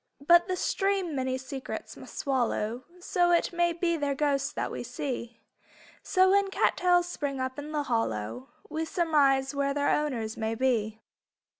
But the stream many secrets must swallow So it may be their ghosts that we see. So when cat tails spring up in the hollow We surmise where their owners may be.